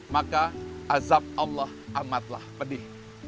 maka azab allah amatlah pedih